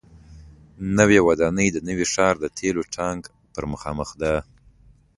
نوې ودانۍ د نوي ښار د تیلو ټانک پر مخامخ ده.